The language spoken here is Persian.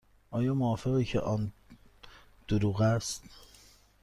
آیا موافقی که آن دروغ است؟